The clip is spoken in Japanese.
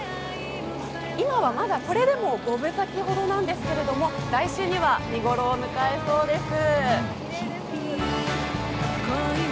今はまだこれでも五分咲きほどなんですけど、来週には見頃を迎えそうです。